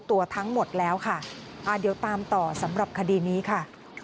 อาเดียวตามต่อสำหรับคดีนี้ค่ะ